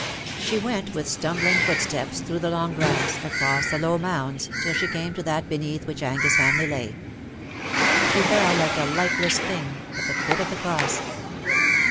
She went with stumbling footsteps through the long grass, across the low mounds, till she came to that beneath which Angus Hamleigh lay. She fell like a lifeless thing at the foot of the cross.